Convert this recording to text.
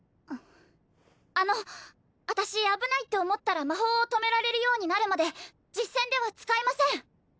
あの私危ないって思ったら魔法を止められるようになるまで実戦では使いません